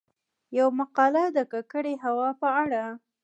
يومـقاله د کـکړې هـوا په اړه :